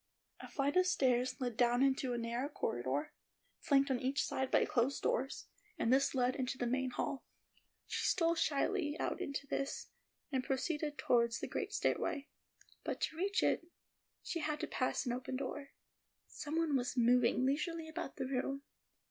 A flight of stairs led down into a narrow corridor, flanked on each side by closed doors, and this led into the main hall. She stole shyly out into this, and proceeded toward the great stairway; but to reach it, she had to pass an open door. Some one was moving leisurely about in the room.